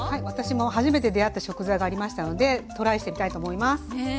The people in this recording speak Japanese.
私も初めて出会った食材がありましたのでトライしてみたいと思います。